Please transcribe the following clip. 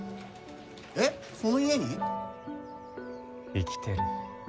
生きてる。